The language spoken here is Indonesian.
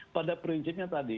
pada prinsipnya tadi